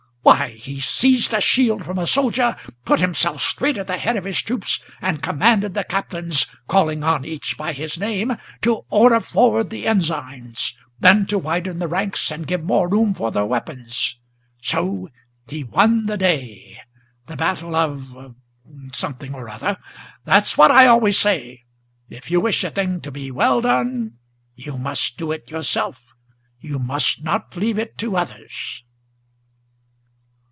Why, he seized a shield from a soldier, Put himself straight at the head of his troops, and commanded the captains, Calling on each by his name, to order forward the ensigns; Then to widen the ranks, and give more room for their weapons; So he won the day, the battle of something or other. That's what I always say; if you wish a thing to be well done, You must do it yourself, you must not leave it to others!"